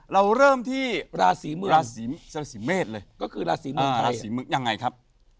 เราเริ่มที่ราศีเมืองราศีเมษเลยก็คือราศีเมืองราศีมึงยังไงครับ